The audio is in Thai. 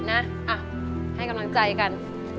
นะให้กำลังใจกัน